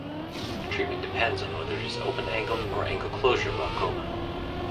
Treatment depends on whether it is open-angle or angle-closure glaucoma.